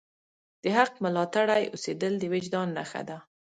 د حق ملاتړی اوسیدل د وجدان نښه ده.